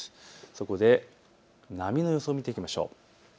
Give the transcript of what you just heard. そこで波の予想を見ていきましょう。